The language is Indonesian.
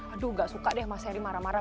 aduh gak suka deh mas heri marah marah